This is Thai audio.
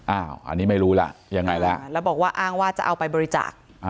อันนี้ไม่รู้ล่ะยังไงแล้วแล้วบอกว่าอ้างว่าจะเอาไปบริจาค